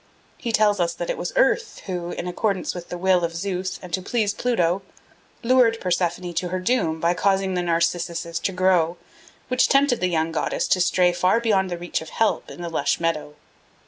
He tells us that it was Earth who, in accordance with the will of Zeus and to please Pluto, lured Persephone to her doom by causing the narcissuses to grow which tempted the young goddess to stray far beyond the reach of help in the lush meadow.